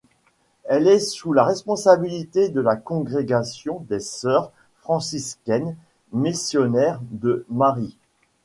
Elle est sous la responsabilité de la Congrégation des Sœurs Franciscaines Missionnaires de Marie.